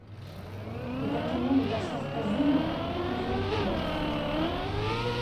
Les daltoniens ne perçoivent pas une ou plusieurs couleurs.